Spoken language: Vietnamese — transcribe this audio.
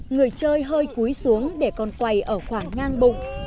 người chơi hơi cúi xuống để còn quay ở khoảng ngang bụng